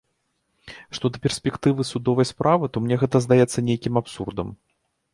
Што да перспектывы судовай справы, то мне гэта здаецца нейкім абсурдам.